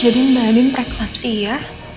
jadi mbak adin preklampsi ya